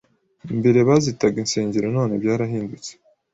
Mbere bazitaga insengero none byarahindutse